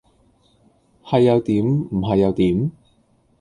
係又點唔係又點？